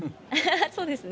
そうですね。